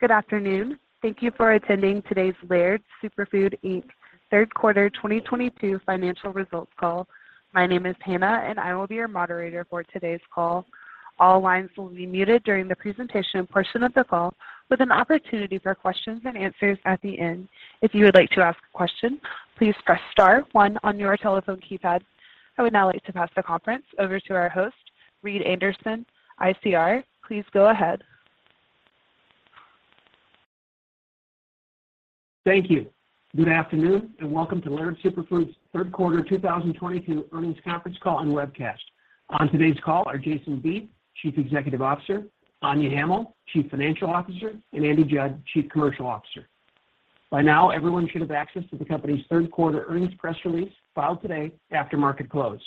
Good afternoon. Thank you for attending today's Laird Superfood, Inc. Third quarter 2022 Financial Results Call. My name is Hannah, and I will be your moderator for today's call. All lines will be muted during the presentation portion of the call, with an opportunity for questions and answers at the end. If you would like to ask a question, please press star one on your telephone keypad. I would now like to pass the conference over to our host, Reed Anderson, ICR. Please go ahead. Thank you. Good afternoon, and welcome to Laird Superfood's 3rd quarter 2022 earnings conference call and webcast. On today's call are Jason Vieth, Chief Executive Officer, Anya Hamill, Chief Financial Officer, and Andy Judd, Chief Commercial Officer. By now, everyone should have access to the company's 3rd quarter earnings press release filed today after market close.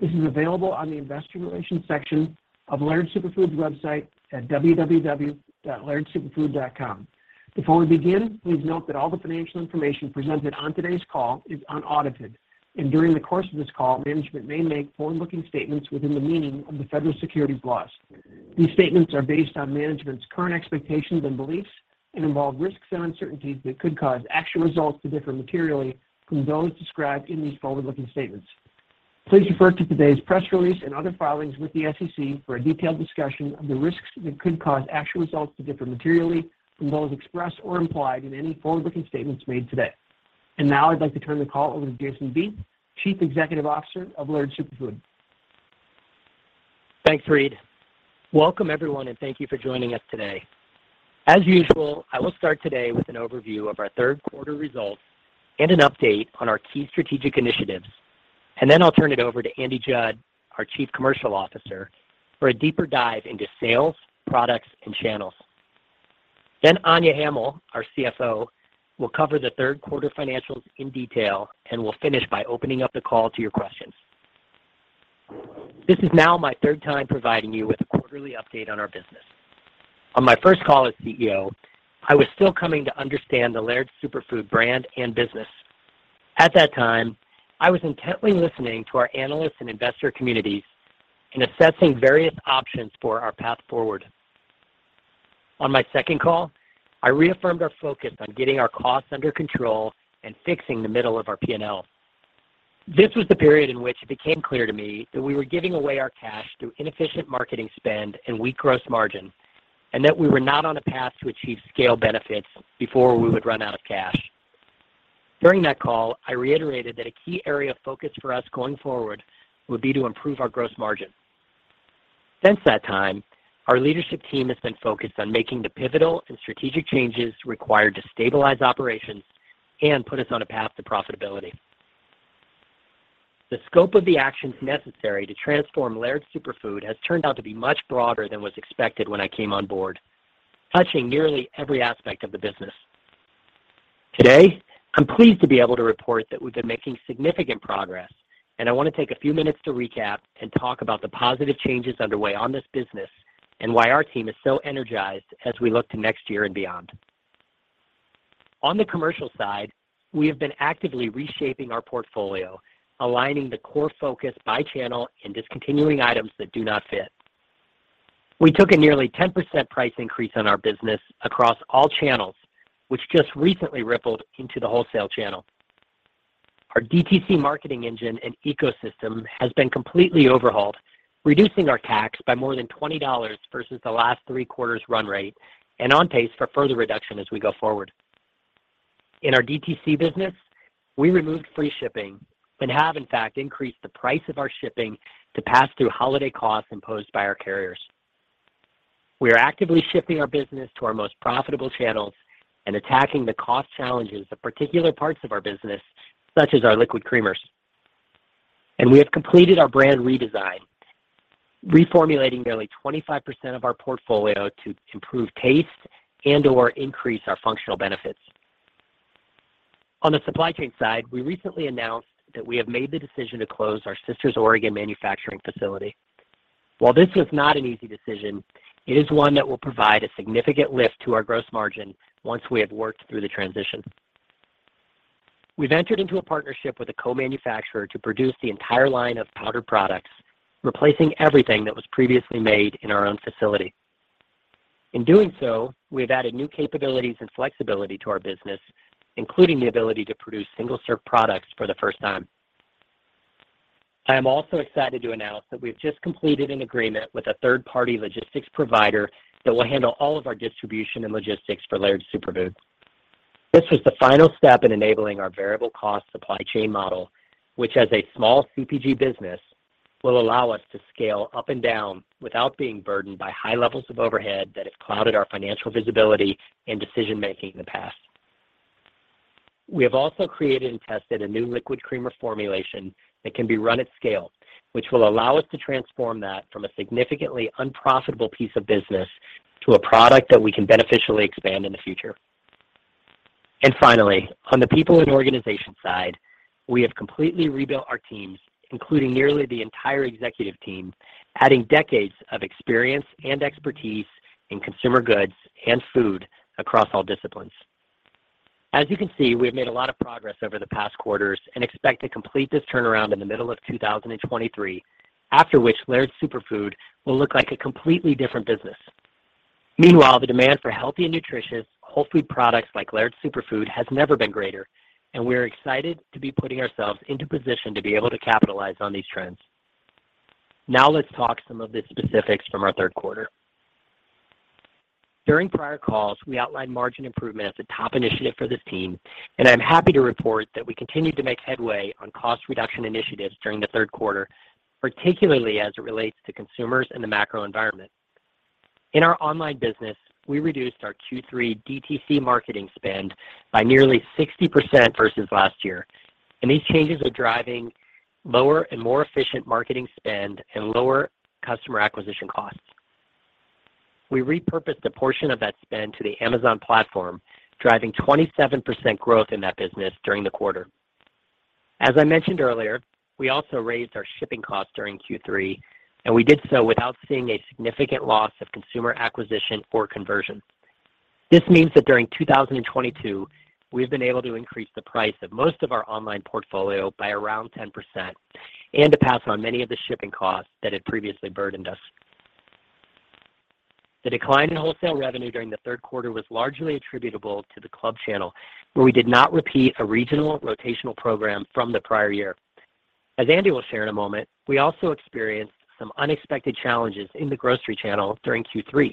This is available on the investor relations section of Laird Superfood's website at www.lairdsuperfood.com. Before we begin, please note that all the financial information presented on today's call is unaudited. During the course of this call, management may make forward-looking statements within the meaning of the federal securities laws. These statements are based on management's current expectations and beliefs and involve risks and uncertainties that could cause actual results to differ materially from those described in these forward-looking statements. Please refer to today's press release and other filings with the SEC for a detailed discussion of the risks that could cause actual results to differ materially from those expressed or implied in any forward-looking statements made today. Now I'd like to turn the call over to Jason Vieth, Chief Executive Officer of Laird Superfood. Thanks, Reed. Welcome, everyone, and thank you for joining us today. As usual, I will start today with an overview of our 3rd quarter results and an update on our key strategic initiatives, and then I'll turn it over to Andy Judd, our Chief Commercial Officer, for a deeper dive into sales, products, and channels. Then Anya Hamill, our CFO, will cover the 3rd quarter financials in detail, and we'll finish by opening up the call to your questions. This is now my 3rd time providing you with a quarterly update on our business. On my 1st call as CEO, I was still coming to understand the Laird Superfood brand and business. At that time, I was intently listening to our analysts and investor communities and assessing various options for our path forward. On my 2nd call, I reaffirmed our focus on getting our costs under control and fixing the middle of our P&L. This was the period in which it became clear to me that we were giving away our cash through inefficient marketing spend and weak gross margin, and that we were not on a path to achieve scale benefits before we would run out of cash. During that call, I reiterated that a key area of focus for us going forward would be to improve our gross margin. Since that time, our leadership team has been focused on making the pivotal and strategic changes required to stabilize operations and put us on a path to profitability. The scope of the actions necessary to transform Laird Superfood has turned out to be much broader than was expected when I came on board, touching nearly every aspect of the business. Today, I'm pleased to be able to report that we've been making significant progress, and I want to take a few minutes to recap and talk about the positive changes underway on this business and why our team is so energized as we look to next year and beyond. On the commercial side, we have been actively reshaping our portfolio, aligning the core focus by channel and discontinuing items that do not fit. We took a nearly 10% price increase on our business across all channels, which just recently rippled into the wholesale channel. Our DTC marketing engine and ecosystem has been completely overhauled, reducing our CAC by more than $20 versus the last three quarters run rate and on pace for further reduction as we go forward. In our DTC business, we removed free shipping and have in fact increased the price of our shipping to pass through holiday costs imposed by our carriers. We are actively shifting our business to our most profitable channels and attacking the cost challenges of particular parts of our business, such as our liquid creamers. We have completed our brand redesign, reformulating nearly 25% of our portfolio to improve taste and/or increase our functional benefits. On the supply chain side, we recently announced that we have made the decision to close our Sisters, Oregon manufacturing facility. While this was not an easy decision, it is one that will provide a significant lift to our gross margin once we have worked through the transition. We've entered into a partnership with a co-manufacturer to produce the entire line of powdered products, replacing everything that was previously made in our own facility. In doing so, we've added new capabilities and flexibility to our business, including the ability to produce single-serve products for the 1st time. I am also excited to announce that we've just completed an agreement with a 3rd-party logistics provider that will handle all of our distribution and logistics for Laird Superfood. This was the final step in enabling our variable cost supply chain model, which as a small CPG business, will allow us to scale up and down without being burdened by high levels of overhead that have clouded our financial visibility and decision-making in the past. We have also created and tested a new liquid creamer formulation that can be run at scale, which will allow us to transform that from a significantly unprofitable piece of business to a product that we can beneficially expand in the future. Finally, on the people and organization side, we have completely rebuilt our teams, including nearly the entire executive team, adding decades of experience and expertise in consumer goods and food across all disciplines. As you can see, we have made a lot of progress over the past quarters and expect to complete this turnaround in the middle of 2023, after which Laird Superfood will look like a completely different business. Meanwhile, the demand for healthy and nutritious whole food products like Laird Superfood has never been greater, and we're excited to be putting ourselves into position to be able to capitalize on these trends. Now let's talk some of the specifics from our 3rd quarter. During prior calls, we outlined margin improvement as a top initiative for this team, and I'm happy to report that we continued to make headway on cost reduction initiatives during the 3rd quarter, particularly as it relates to consumers and the macro environment. In our online business, we reduced our Q3 DTC marketing spend by nearly 60% versus last year, and these changes are driving lower and more efficient marketing spend and lower customer acquisition costs. We repurposed a portion of that spend to the Amazon platform, driving 27% growth in that business during the quarter. As I mentioned earlier, we also raised our shipping costs during Q3, and we did so without seeing a significant loss of consumer acquisition or conversion. This means that during 2022, we've been able to increase the price of most of our online portfolio by around 10% and to pass on many of the shipping costs that had previously burdened us. The decline in wholesale revenue during the 3rd quarter was largely attributable to the club channel, where we did not repeat a regional rotational program from the prior year. As Andy will share in a moment, we also experienced some unexpected challenges in the grocery channel during Q3,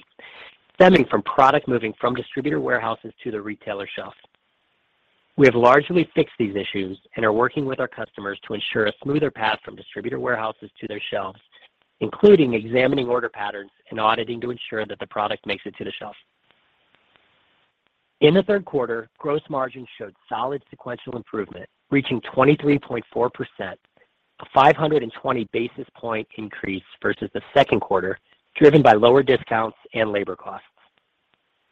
stemming from product moving from distributor warehouses to the retailer shelf. We have largely fixed these issues and are working with our customers to ensure a smoother path from distributor warehouses to their shelves, including examining order patterns and auditing to ensure that the product makes it to the shelf. In the 3rd quarter, gross margin showed solid sequential improvement, reaching 23.4%, a 520 basis point increase versus the 2nd quarter, driven by lower discounts and labor costs.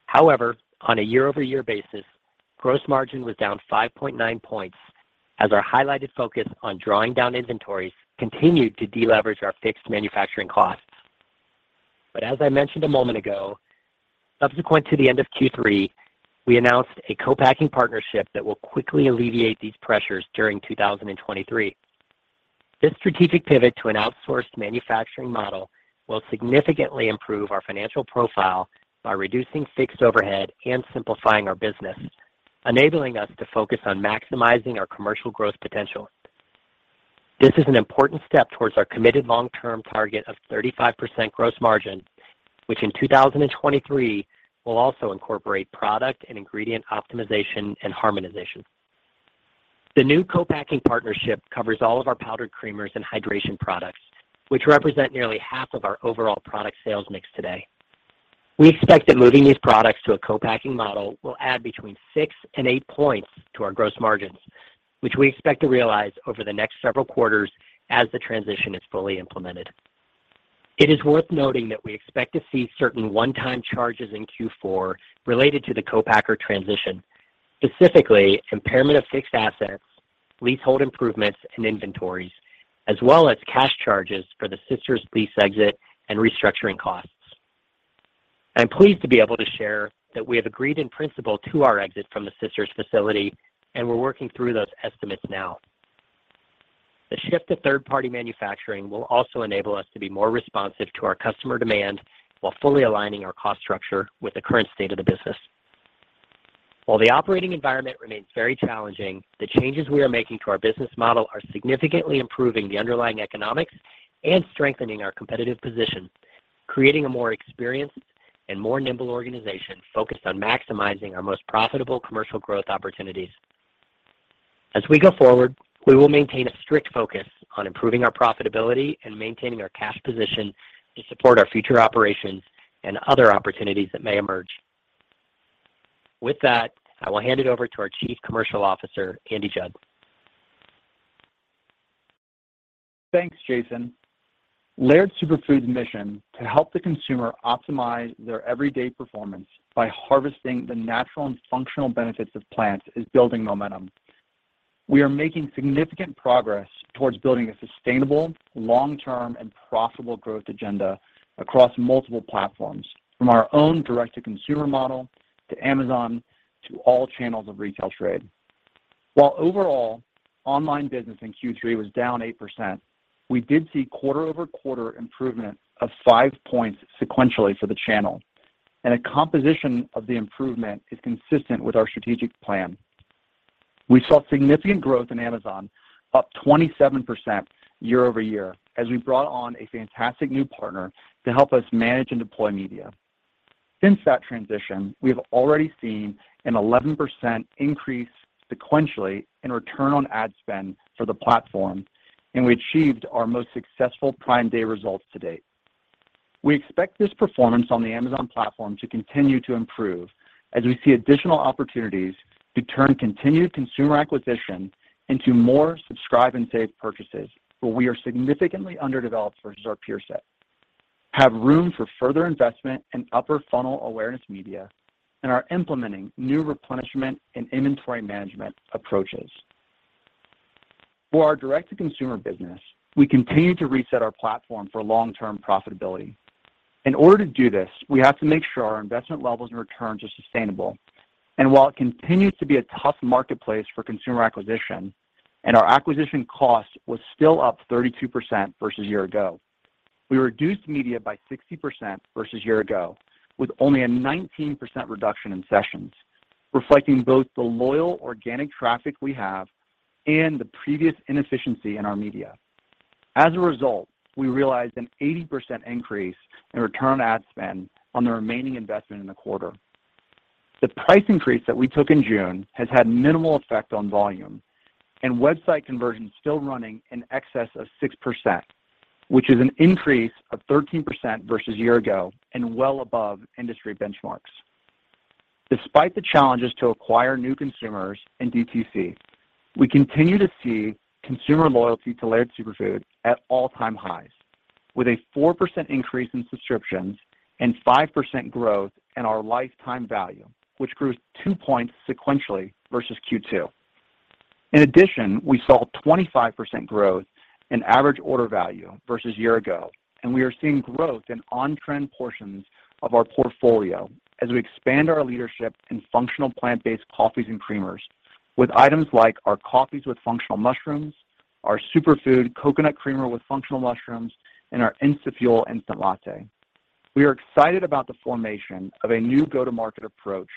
However, on a year-over-year basis, gross margin was down 5.9 points as our highlighted focus on drawing down inventories continued to deleverage our fixed manufacturing costs. As I mentioned a moment ago, subsequent to the end of Q3, we announced a co-packing partnership that will quickly alleviate these pressures during 2023. This strategic pivot to an outsourced manufacturing model will significantly improve our financial profile by reducing fixed overhead and simplifying our business, enabling us to focus on maximizing our commercial growth potential. This is an important step towards our committed long-term target of 35% gross margin, which in 2023 will also incorporate product and ingredient optimization and harmonization. The new co-packing partnership covers all of our powdered creamers and hydration products, which represent nearly half of our overall product sales mix today. We expect that moving these products to a co-packing model will add between six and 8 points to our gross margins, which we expect to realize over the next several quarters as the transition is fully implemented. It is worth noting that we expect to see certain one-time charges in Q4 related to the co-packer transition, specifically impairment of fixed assets, leasehold improvements and inventories, as well as cash charges for the Sisters lease exit and restructuring costs. I'm pleased to be able to share that we have agreed in principle to our exit from the Sisters facility, and we're working through those estimates now. The shift to 3rd-party manufacturing will also enable us to be more responsive to our customer demand while fully aligning our cost structure with the current state of the business. While the operating environment remains very challenging, the changes we are making to our business model are significantly improving the underlying economics and strengthening our competitive position, creating a more experienced and more nimble organization focused on maximizing our most profitable commercial growth opportunities. As we go forward, we will maintain a strict focus on improving our profitability and maintaining our cash position to support our future operations and other opportunities that may emerge. With that, I will hand it over to our Chief Commercial Officer, Andy Judd. Thanks, Jason. Laird Superfood's mission to help the consumer optimize their everyday performance by harvesting the natural and functional benefits of plants is building momentum. We are making significant progress towards building a sustainable, long-term, and profitable growth agenda across multiple platforms, from our own direct-to-consumer model to Amazon to all channels of retail trade. While overall online business in Q3 was down 8%, we did see quarter-over-quarter improvement of five points sequentially for the channel, and a composition of the improvement is consistent with our strategic plan. We saw significant growth in Amazon, up 27% year-over-year, as we brought on a fantastic new partner to help us manage and deploy media. Since that transition, we have already seen an 11% increase sequentially in return on ad spend for the platform, and we achieved our most successful Prime Day results to date. We expect this performance on the Amazon platform to continue to improve as we see additional opportunities to turn continued consumer acquisition into more subscribe and save purchases, where we are significantly underdeveloped versus our peer set, have room for further investment in upper funnel awareness media, and are implementing new replenishment and inventory management approaches. For our direct-to-consumer business, we continue to reset our platform for long-term profitability. In order to do this, we have to make sure our investment levels and returns are sustainable. While it continues to be a tough marketplace for consumer acquisition and our acquisition cost was still up 32% versus year ago, we reduced media by 60% versus year ago, with only a 19% reduction in sessions, reflecting both the loyal organic traffic we have and the previous inefficiency in our media. As a result, we realized an 80% increase in return on ad spend on the remaining investment in the quarter. The price increase that we took in June has had minimal effect on volume and website conversion is still running in excess of 6%, which is an increase of 13% versus year-ago and well above industry benchmarks. Despite the challenges to acquire new consumers in DTC, we continue to see consumer loyalty to Laird Superfood at all-time highs, with a 4% increase in subscriptions and 5% growth in our lifetime value, which grew two points sequentially versus Q2. In addition, we saw 25% growth in average order value versus year-ago, and we are seeing growth in on-trend portions of our portfolio as we expand our leadership in functional plant-based coffees and creamers with items like our coffees with functional mushrooms, our Superfood Coconut Creamer with Functional Mushrooms, and our Instafuel instant latte. We are excited about the formation of a new go-to-market approach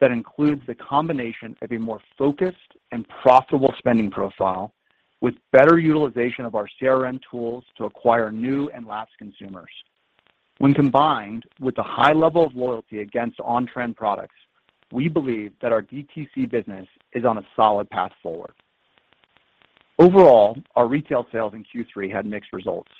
that includes the combination of a more focused and profitable spending profile with better utilization of our CRM tools to acquire new and lapsed consumers. When combined with the high level of loyalty against on-trend products, we believe that our DTC business is on a solid path forward. Overall, our retail sales in Q3 had mixed results.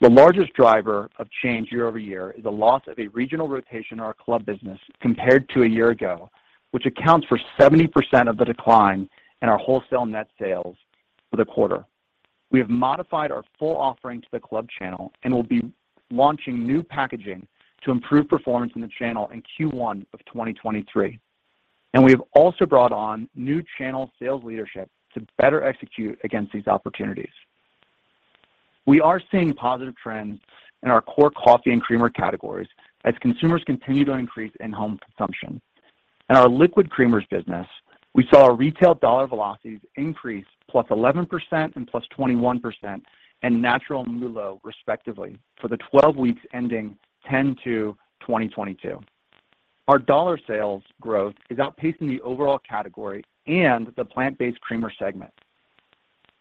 The largest driver of change year-over-year is a loss of a regional rotation in our club business compared to a year ago, which accounts for 70% of the decline in our wholesale net sales for the quarter. We have modified our full offering to the club channel and will be launching new packaging to improve performance in the channel in Q1 of 2023. We have also brought on new channel sales leadership to better execute against these opportunities. We are seeing positive trends in our core coffee and creamer categories as consumers continue to increase in-home consumption. In our liquid creamers business, we saw our retail dollar velocities increase +11% and +21% in natural and MULO, respectively, for the 12 weeks ending 10/02/2022. Our dollar sales growth is outpacing the overall category and the plant-based creamer segment.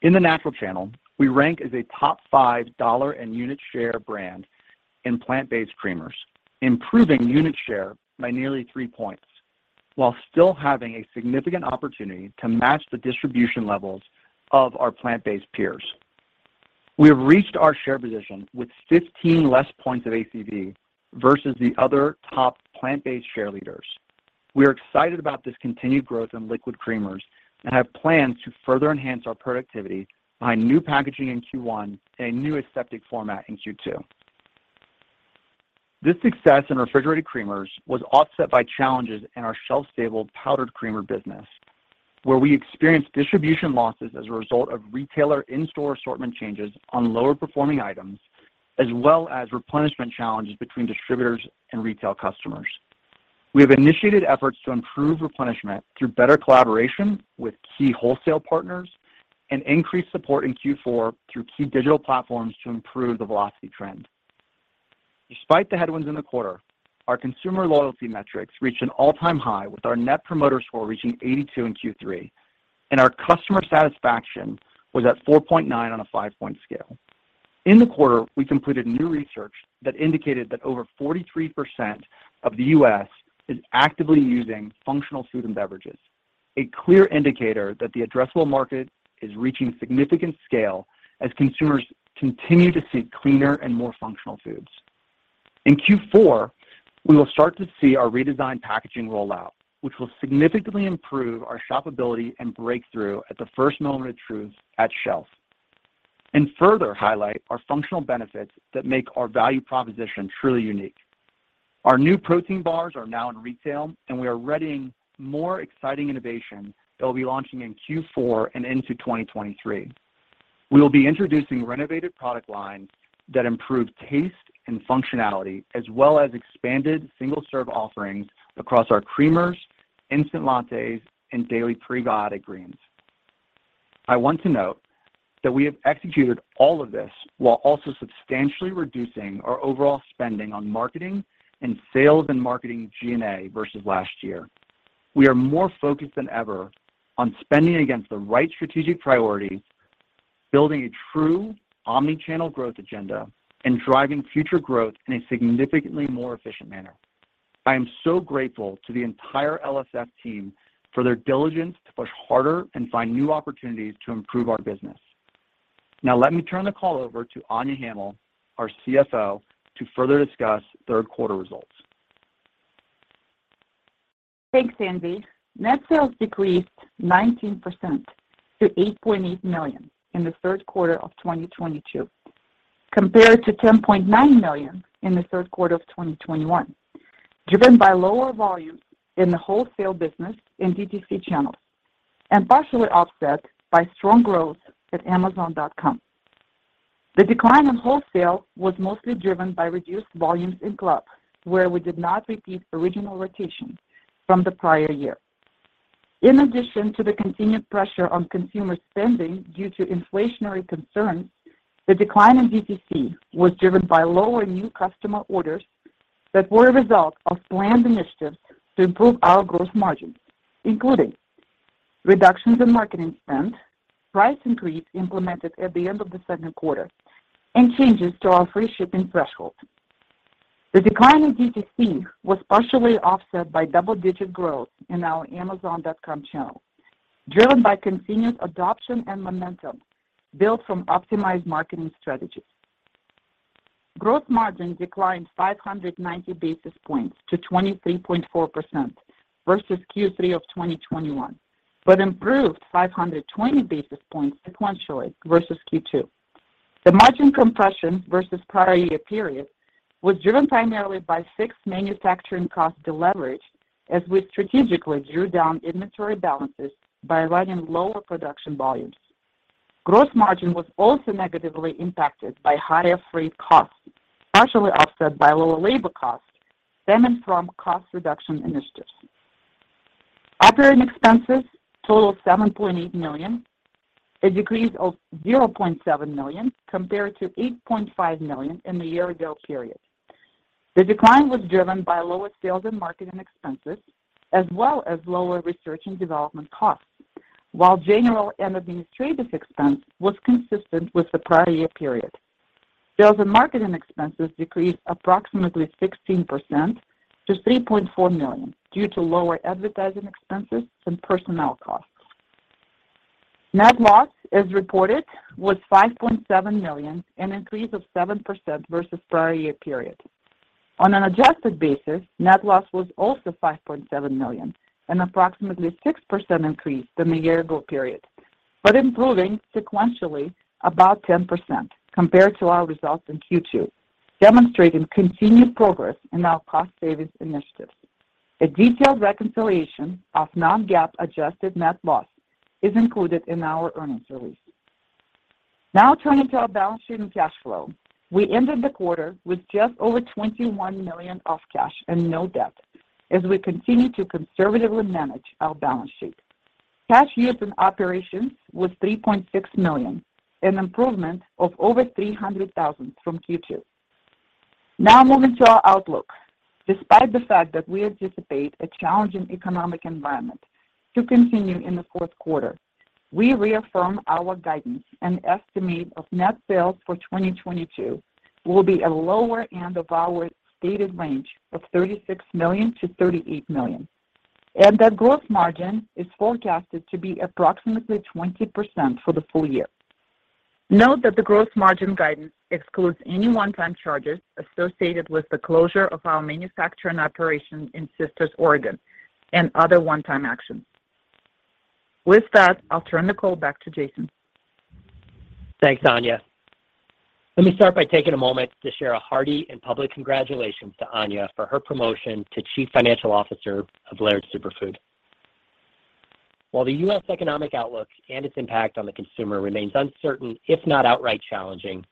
In the natural channel, we rank as a top five dollar and unit share brand in plant-based creamers, improving unit share by nearly three points while still having a significant opportunity to match the distribution levels of our plant-based peers. We have reached our share position with 15 less points of ACV versus the other top plant-based share leaders. We are excited about this continued growth in liquid creamers and have plans to further enhance our productivity behind new packaging in Q1 and a new aseptic format in Q2. This success in refrigerated creamers was offset by challenges in our shelf-stable powdered creamer business, where we experienced distribution losses as a result of retailer in-store assortment changes on lower-performing items, as well as replenishment challenges between distributors and retail customers. We have initiated efforts to improve replenishment through better collaboration with key wholesale partners and increased support in Q4 through key digital platforms to improve the velocity trend. Despite the headwinds in the quarter, our consumer loyalty metrics reached an all-time high, with our Net Promoter Score reaching 82 in Q3, and our customer satisfaction was at 4.9 on a five point scale. In the quarter, we completed new research that indicated that over 43% of the U.S. is actively using functional food and beverages, a clear indicator that the addressable market is reaching significant scale as consumers continue to seek cleaner and more functional foods. In Q4, we will start to see our redesigned packaging rollout, which will significantly improve our shopability and breakthrough at the 1st moment of truth at shelf and further highlight our functional benefits that make our value proposition truly unique. Our new protein bars are now in retail, and we are readying more exciting innovation that will be launching in Q4 and into 2023. We will be introducing renovated product lines that improve taste and functionality as well as expanded single-serve offerings across our creamers, instant lattes, and Prebiotic Daily Greens. I want to note that we have executed all of this while also substantially reducing our overall spending on marketing and sales and marketing G&A versus last year. We are more focused than ever on spending against the right strategic priorities, building a true omni-channel growth agenda, and driving future growth in a significantly more efficient manner. I am so grateful to the entire LSF team for their diligence to push harder and find new opportunities to improve our business. Now, let me turn the call over to Anya Hamill, our CFO, to further discuss 3rd quarter results. Thanks, Andy. Net sales decreased 19% to $8.8 million in the 3rd quarter of 2022. Compared to $10.9 million in the 3rd quarter of 2021, driven by lower volumes in the wholesale business and DTC channels, and partially offset by strong growth at Amazon.com. The decline in wholesale was mostly driven by reduced volumes in club, where we did not repeat original rotations from the prior year. In addition to the continued pressure on consumer spending due to inflationary concerns, the decline in DTC was driven by lower new customer orders that were a result of planned initiatives to improve our gross margin, including reductions in marketing spend, price increase implemented at the end of the 2nd quarter, and changes to our free shipping threshold. The decline in DTC was partially offset by double-digit growth in our Amazon.com channel, driven by continued adoption and momentum built from optimized marketing strategies. Gross margin declined 590 basis points to 23.4% versus Q3 of 2021, but improved 520 basis points sequentially versus Q2. The margin compression versus prior year period was driven primarily by fixed manufacturing cost deleverage as we strategically drew down inventory balances by running lower production volumes. Gross margin was also negatively impacted by higher freight costs, partially offset by lower labor costs stemming from cost reduction initiatives. Operating expenses totaled $7.8 million, a decrease of $0.7 million compared to $8.5 million in the year ago period. The decline was driven by lower sales and marketing expenses as well as lower research and development costs. While general and administrative expense was consistent with the prior year period, sales and marketing expenses decreased approximately 16% to $3.4 million due to lower advertising expenses and personnel costs. Net loss, as reported, was $5.7 million, an increase of 7% versus prior year period. On an adjusted basis, net loss was also $5.7 million, an approximately 6% increase than the year ago period, but improving sequentially about 10% compared to our results in Q2, demonstrating continued progress in our cost savings initiatives. A detailed reconciliation of non-GAAP adjusted net loss is included in our earnings release. Now turning to our balance sheet and cash flow. We ended the quarter with just over $21 million of cash and no debt as we continue to conservatively manage our balance sheet. Cash used in operations was $3.6 million, an improvement of over $300,000 from Q2. Now moving to our outlook. Despite the fact that we anticipate a challenging economic environment to continue in the 4th quarter, we reaffirm our guidance and estimate of net sales for 2022 will be a lower end of our stated range of $36 million-$38 million. That gross margin is forecasted to be approximately 20% for the full year. Note that the gross margin guidance excludes any one-time charges associated with the closure of our manufacturing operation in Sisters, Oregon, and other one-time actions. With that, I'll turn the call back to Jason. Thanks, Anya. Let me start by taking a moment to share a hearty and public congratulations to Anya for her promotion to Chief Financial Officer of Laird Superfood. While the U.S. economic outlook and its impact on the consumer remains uncertain, if not outright challenging,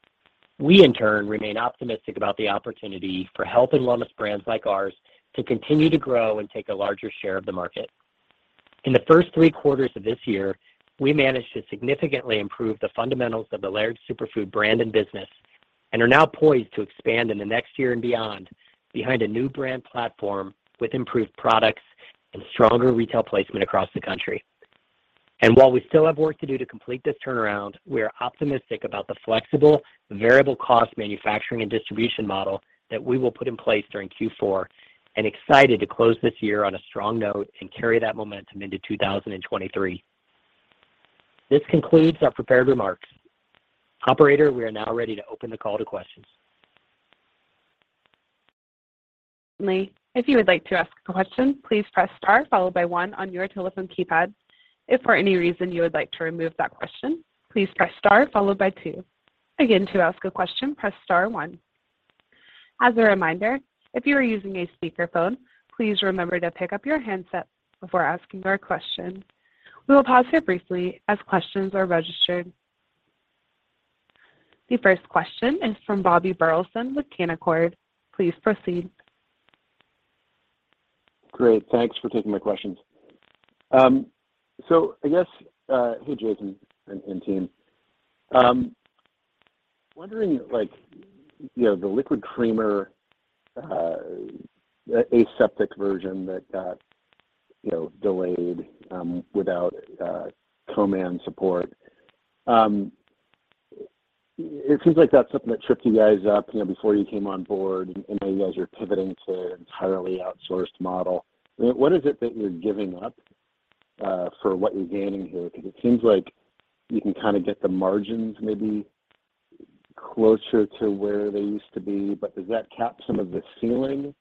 we in turn remain optimistic about the opportunity for health and wellness brands like ours to continue to grow and take a larger share of the market. In the 1st three quarters of this year, we managed to significantly improve the fundamentals of the Laird Superfood brand and business, and are now poised to expand in the next year and beyond behind a new brand platform with improved products and stronger retail placement across the country. While we still have work to do to complete this turnaround, we are optimistic about the flexible variable cost manufacturing and distribution model that we will put in place during Q4 and excited to close this year on a strong note and carry that momentum into 2023. This concludes our prepared remarks. Operator, we are now ready to open the call to questions. If you would like to ask a question, please press star followed by one on your telephone keypad. If for any reason you would like to remove that question, please press star followed by two. Again, to ask a question, press star one. As a reminder, if you are using a speakerphone, please remember to pick up your handset before asking your question. We will pause here briefly as questions are registered. The 1st question is from Bobby Burleson with Canaccord Genuity. Please proceed. Great. Thanks for taking my questions. I guess, hey, Jason and team. Wondering like, you know, the liquid creamer, aseptic version that got, you know, delayed, without, co-man support. It seems like that's something that tripped you guys up, you know, before you came on board, and now you guys are pivoting to an entirely outsourced model. What is it that you're giving up, for what you're gaining here? Because it seems like you can kind of get the margins maybe closer to where they used to be, but does that cap some of the ceiling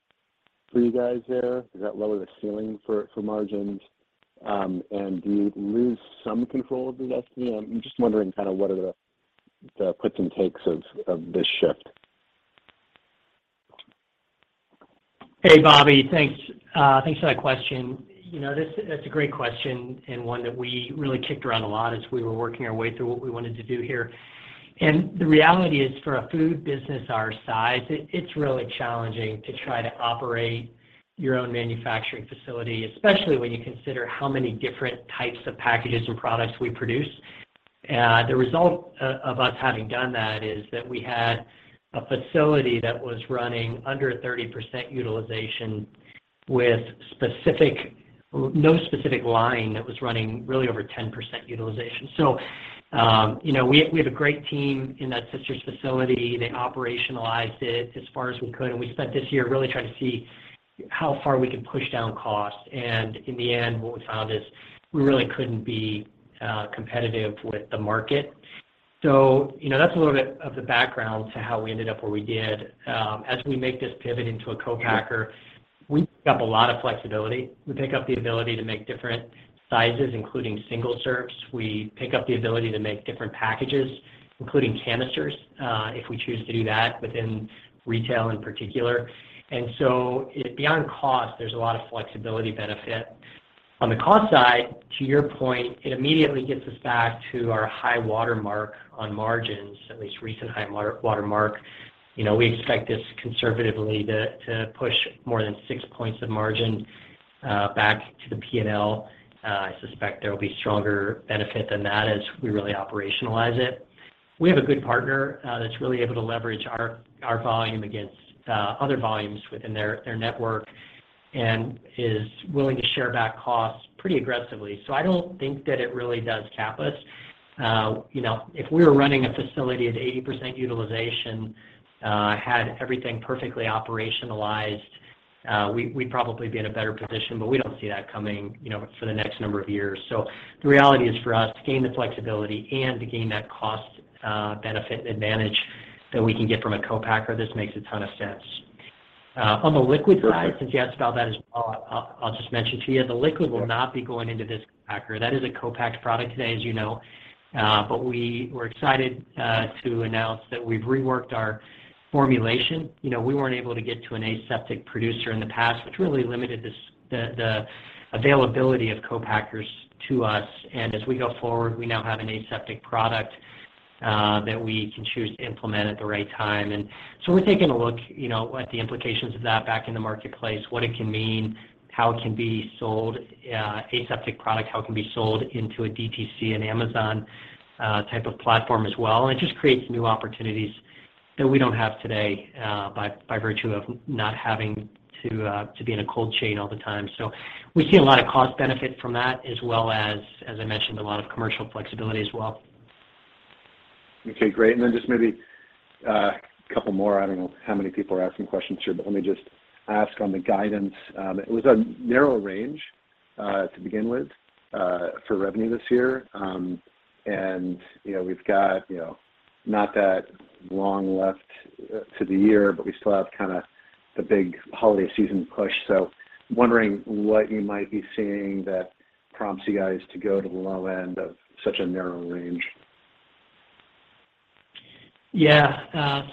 for you guys there, does that lower the ceiling for margins? Do you lose some control of the destiny? I'm just wondering kinda what are the puts and takes of this shift. Hey, Bobby. Thanks. Thanks for that question. You know, that's a great question, and one that we really kicked around a lot as we were working our way through what we wanted to do here. The reality is, for a food business our size, it's really challenging to try to operate your own manufacturing facility, especially when you consider how many different types of packages and products we produce. The result of us having done that is that we had a facility that was running under 30% utilization with no specific line that was running really over 10% utilization. You know, we have a great team in that Sisters facility. They operationalized it as far as we could, and we spent this year really trying to see how far we could push down costs. In the end, what we found is we really couldn't be competitive with the market. You know, that's a little bit of the background to how we ended up where we did. As we make this pivot into a co-packer, we pick up a lot of flexibility. We pick up the ability to make different sizes, including single serves. We pick up the ability to make different packages, including canisters, if we choose to do that within retail in particular. Beyond cost, there's a lot of flexibility benefit. On the cost side, to your point, it immediately gets us back to our high watermark on margins, at least recent high watermark. You know, we expect this conservatively to push more than six points of margin back to the P&L. I suspect there will be stronger benefit than that as we really operationalize it. We have a good partner that's really able to leverage our volume against other volumes within their network and is willing to share back costs pretty aggressively. I don't think that it really does cap us. You know, if we were running a facility at 80% utilization, had everything perfectly operationalized, we would probably be in a better position, but we don't see that coming, you know, for the next number of years. The reality is for us to gain the flexibility and to gain that cost benefit advantage that we can get from a co-packer, this makes a ton of sense. On the liquid side. Perfect... since you asked about that as well, I'll just mention to you, the liquid will not be going into this co-packer. That is a co-packed product today, as you know. But we're excited to announce that we've reworked our formulation. You know, we weren't able to get to an aseptic producer in the past, which really limited this, the availability of co-packers to us. As we go forward, we now have an aseptic product that we can choose to implement at the right time. We're taking a look, you know, at the implications of that back in the marketplace, what it can mean, how it can be sold, aseptic product, how it can be sold into a DTC and Amazon type of platform as well. It just creates new opportunities that we don't have today, by virtue of not having to be in a cold chain all the time. We see a lot of cost benefit from that as well as I mentioned, a lot of commercial flexibility as well. Okay, great. Just maybe a couple more. I don't know how many people are asking questions here, but let me just ask on the guidance. It was a narrow range to begin with for revenue this year. You know, we've got you know not that long left to the year, but we still have kinda the big holiday season push. Wondering what you might be seeing that prompts you guys to go to the low end of such a narrow range. Yeah,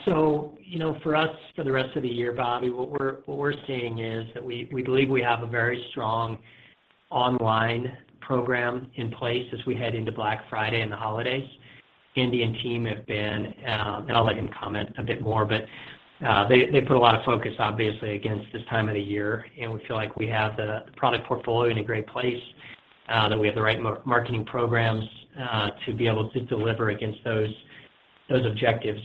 you know, for us, for the rest of the year, Bobby, what we're seeing is that we believe we have a very strong online program in place as we head into Black Friday and the holidays. Andy and team have been, and I'll let him comment a bit more, but they put a lot of focus obviously against this time of the year, and we feel like we have the product portfolio in a great place, that we have the right marketing programs to be able to deliver against those objectives.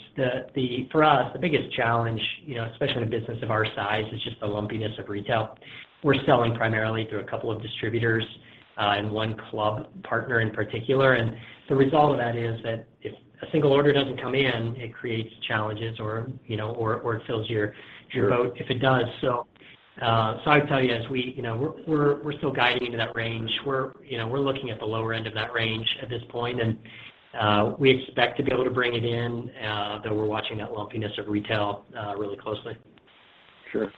For us, the biggest challenge, you know, especially in a business of our size, is just the lumpiness of retail. We're selling primarily through a couple of distributors, and one club partner in particular. The result of that is that if a single order doesn't come in, it creates challenges or, you know, or it fills your boat. Sure If it does. I'd tell you as we, you know, we're still guiding into that range. We're, you know, looking at the lower end of that range at this point, and we expect to be able to bring it in, though we're watching that lumpiness of retail really closely. Sure.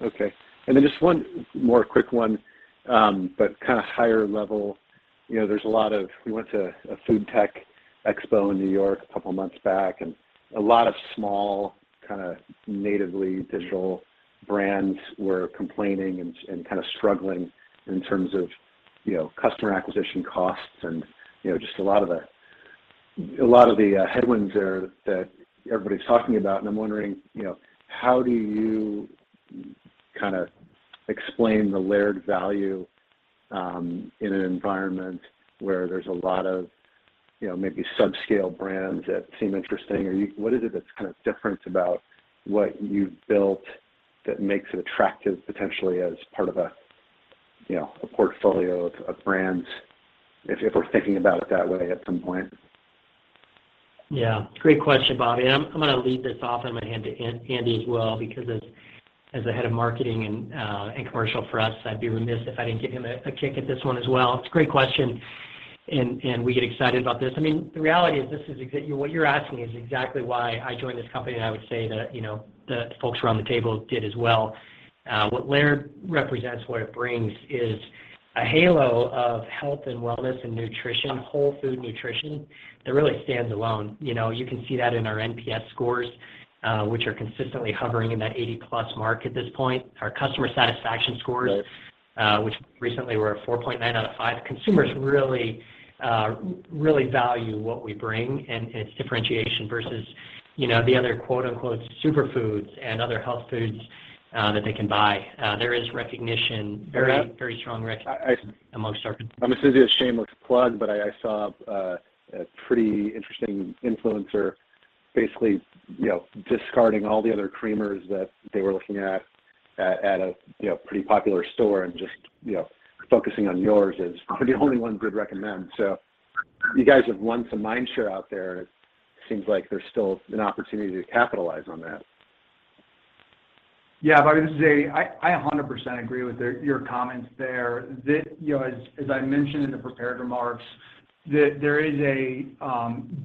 Okay. Just one more quick one, but kinda higher level. You know, there's a lot of. We went to a food tech expo in New York a couple months back, and a lot of small, kinda natively digital brands were complaining and kinda struggling in terms of, you know, customer acquisition costs and, you know, just a lot of the headwinds there that everybody's talking about. I'm wondering, you know, how do you kinda explain the layered value in an environment where there's a lot of, you know, maybe subscale brands that seem interesting? What is it that's kind of different about what you've built that makes it attractive potentially as part of a, you know, a portfolio of brands if we're thinking about it that way at some point? Yeah. Great question, Bobby. I'm gonna lead this off, and I'm gonna hand to Andy as well because as the head of marketing and commercial for us, I'd be remiss if I didn't give him a kick at this one as well. It's a great question. We get excited about this. I mean, the reality is what you're asking is exactly why I joined this company, and I would say that, you know, the folks around the table did as well. What Laird represents, what it brings is a halo of health and wellness and nutrition, whole food nutrition that really stands alone. You know, you can see that in our NPS scores, which are consistently hovering in that 80+ mark at this point. Our customer satisfaction scores. Right... which recently were a 4.9 out of five. Consumers really value what we bring and its differentiation versus, you know, the other quote-unquote "superfoods" and other health foods that they can buy. There is recognition. And that- Very, very strong recognition among our consumers. I'm as good as a shameless plug, but I saw a pretty interesting influencer basically, you know, discarding all the other creamers that they were looking at at a, you know, pretty popular store and just, you know, focusing on yours as the only one good recommend. You guys have won some mind share out there, and it seems like there's still an opportunity to capitalize on that. Yeah. Bobby, this is Andy. I 100% agree with your comments there. You know, as I mentioned in the prepared remarks, there is a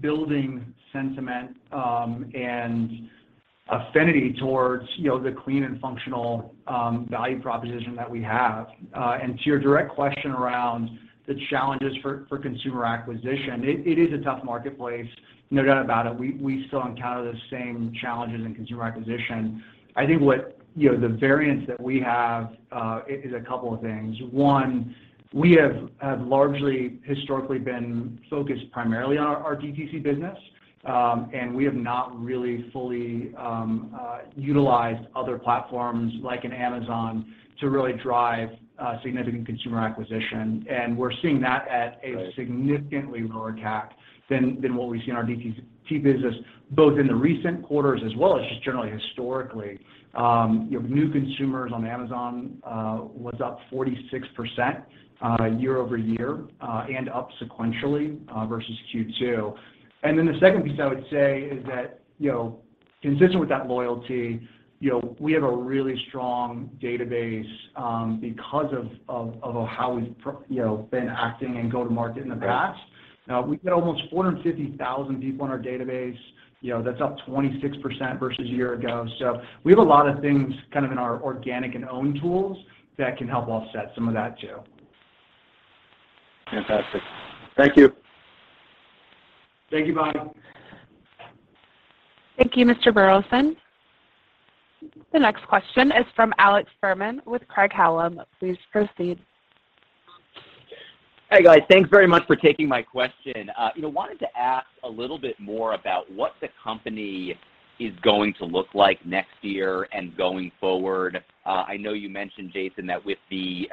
building sentiment and affinity towards, you know, the clean and functional value proposition that we have. To your direct question around the challenges for consumer acquisition, it is a tough marketplace, no doubt about it. We still encounter those same challenges in consumer acquisition. I think what, you know, the variance that we have is a couple of things. One, we have largely historically been focused primarily on our DTC business, and we have not really fully utilized other platforms like Amazon to really drive significant consumer acquisition. We're seeing that at a- Right significantly lower CAC than what we see in our DTC business, both in the recent quarters as well as just generally historically. You know, new consumers on Amazon was up 46% year-over-year and up sequentially versus Q2. The 2nd piece I would say is that, you know, consistent with that loyalty, you know, we have a really strong database because of how we've been acting and go to market in the past. Right. Now we've got almost 450,000 people in our database. You know, that's up 26% versus a year ago. We have a lot of things kind of in our organic and own tools that can help offset some of that too. Fantastic. Thank you. Thank you, Bobby. Thank you, Mr. Burleson. The next question is from Alex Fuhrman with Craig-Hallum. Please proceed. Hey, guys. Thanks very much for taking my question. You know, wanted to ask a little bit more about what the company is going to look like next year and going forward. I know you mentioned, Jason, that with the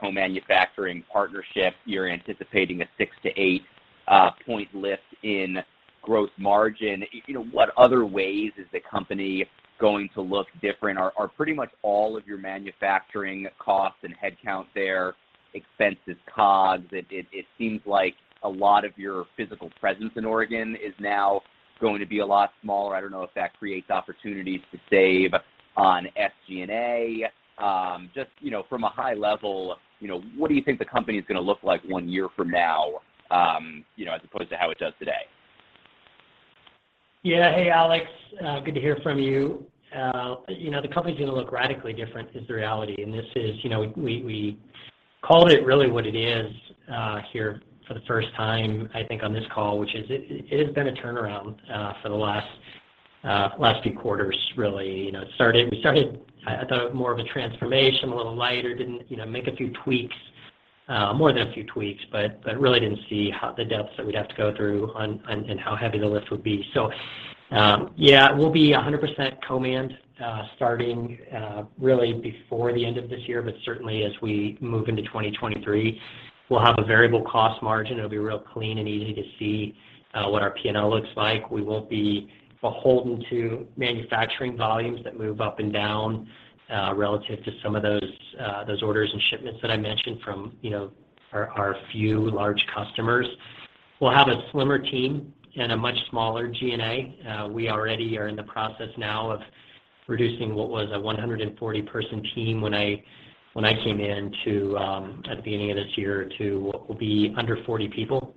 co-manufacturing partnership, you're anticipating a 6-8 point lift in gross margin. You know, what other ways is the company going to look different? Are pretty much all of your manufacturing costs and headcount there, expenses, COGS? It seems like a lot of your physical presence in Oregon is now going to be a lot smaller. I don't know if that creates opportunities to save on SG&A. Just, you know, from a high level, you know, what do you think the company's gonna look like one year from now, you know, as opposed to how it does today? Yeah. Hey, Alex. Good to hear from you. You know, the company's gonna look radically different is the reality. This is, you know, we called it really what it is, here for the 1st time, I think, on this call, which is it has been a turnaround, for the last few quarters really. You know, we started, I thought more of a transformation, a little lighter. You know, make a few tweaks, more than a few tweaks, but really didn't see the depths that we'd have to go through on and how heavy the lift would be. Yeah, we'll be 100% co-man, starting really before the end of this year, but certainly as we move into 2023. We'll have a variable cost margin. It'll be real clean and easy to see what our P&L looks like. We won't be beholden to manufacturing volumes that move up and down relative to some of those orders and shipments that I mentioned from you know our few large customers. We'll have a slimmer team and a much smaller G&A. We already are in the process now of reducing what was a 140 person team when I came in to at the beginning of this year to what will be under 40 people.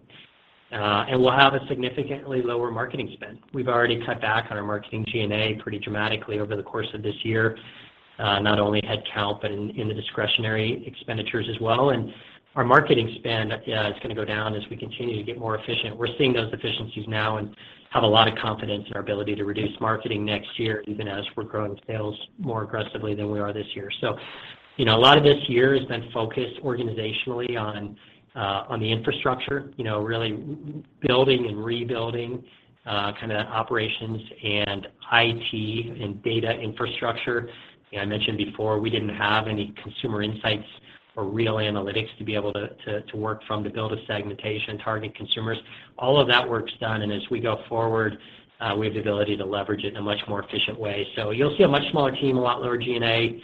We'll have a significantly lower marketing spend. We've already cut back on our marketing G&A pretty dramatically over the course of this year, not only headcount, but in the discretionary expenditures as well. Our marketing spend, it's gonna go down as we continue to get more efficient. We're seeing those efficiencies now and have a lot of confidence in our ability to reduce marketing next year, even as we're growing sales more aggressively than we are this year. You know, a lot of this year has been focused organizationally on the infrastructure, you know, really building and rebuilding kinda operations and IT and data infrastructure. You know, I mentioned before, we didn't have any consumer insights or real analytics to be able to work from to build a segmentation, target consumers. All of that work's done, and as we go forward, we have the ability to leverage it in a much more efficient way. You'll see a much smaller team, a lot lower G&A.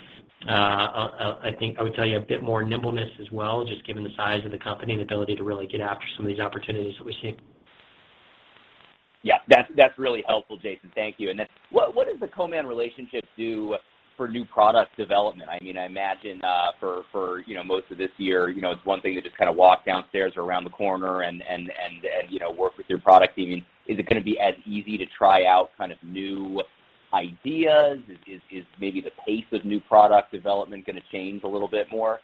I think I would tell you a bit more nimbleness as well, just given the size of the company and ability to really get after some of these opportunities that we see. Yeah, that's really helpful, Jason. Thank you. What does the co-man relationship do for new product development? I mean, I imagine, for you know, most of this year, you know, it's one thing to just kind of walk downstairs or around the corner and you know, work with your product team. Is it gonna be as easy to try out kind of new ideas? Is maybe the pace of new product development gonna change a little bit more?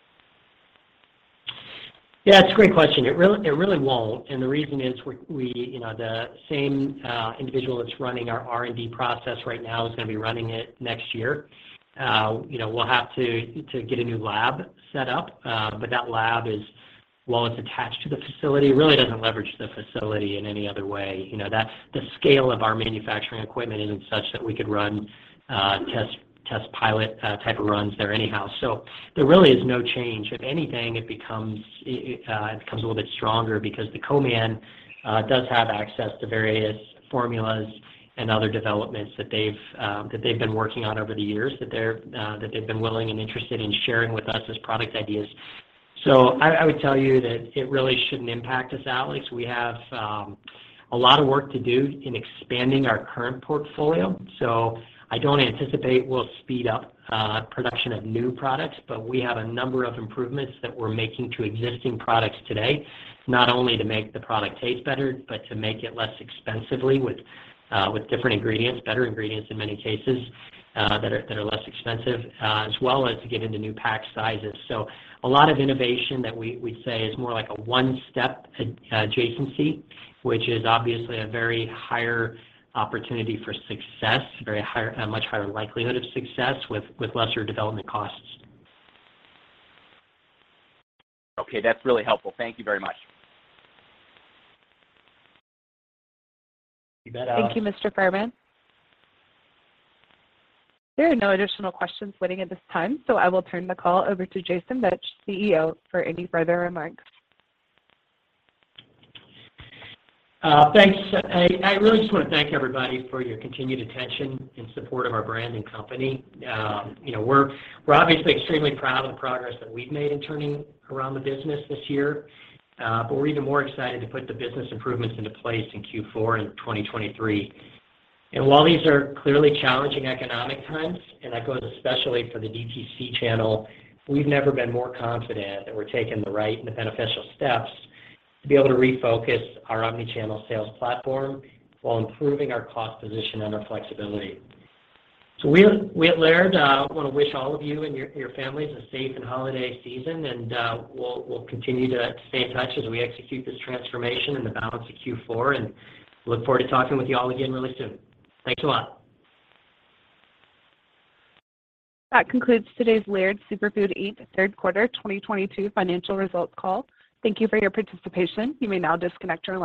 Yeah, it's a great question. It really won't. The reason is the same individual that's running our R&D process right now is gonna be running it next year. You know, we'll have to get a new lab set up. That lab is, while it's attached to the facility, it really doesn't leverage the facility in any other way. You know, that's the scale of our manufacturing equipment isn't such that we could run test pilot type of runs there anyhow. There really is no change. If anything, it becomes a little bit stronger because the co-man does have access to various formulas and other developments that they've been working on over the years that they've been willing and interested in sharing with us as product ideas. I would tell you that it really shouldn't impact us at least. We have a lot of work to do in expanding our current portfolio, so I don't anticipate we'll speed up production of new products. We have a number of improvements that we're making to existing products today, not only to make the product taste better, but to make it less expensively with different ingredients, better ingredients in many cases, that are less expensive, as well as to get into new pack sizes. A lot of innovation that we'd say is more like a one-step adjacency, which is obviously a much higher opportunity for success, a much higher likelihood of success with lesser development costs. Okay. That's really helpful. Thank you very much. You bet. Thank you, Mr. Fuhrman. There are no additional questions waiting at this time, so I will turn the call over to Jason Vieth, CEO, for any further remarks. Thanks. I really just wanna thank everybody for your continued attention and support of our brand and company. You know, we're obviously extremely proud of the progress that we've made in turning around the business this year. We're even more excited to put the business improvements into place in Q4 in 2023. While these are clearly challenging economic times, and that goes especially for the DTC channel, we've never been more confident that we're taking the right and the beneficial steps to be able to refocus our omni-channel sales platform while improving our cost position and our flexibility. We at Laird wanna wish all of you and your families a safe and happy holiday season. We'll continue to stay in touch as we execute this transformation in the balance of Q4, and look forward to talking with you all again really soon. Thanks a lot. That concludes today's Laird Superfood, Inc. 3rd quarter 2022 financial results call. Thank you for your participation. You may now disconnect your line.